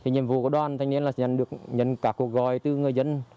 nhiệm vụ của đoàn thanh niên là nhận được các cuộc gọi từ người dân